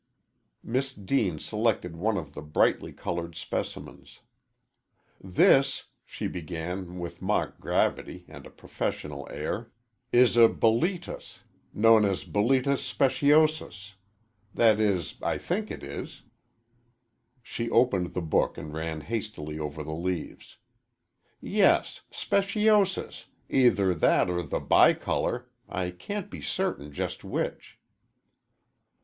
Miss Deane selected one of the brightly colored specimens. "This," she began, with mock gravity and a professional air, "is a Boletus known as Boletus speciosus that is, I think it is." She opened the book and ran hastily over the leaves. "Yes, speciosus either that or the bicolor I can't be certain just which."